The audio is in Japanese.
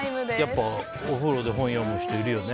やっぱお風呂で本読む人いるよね。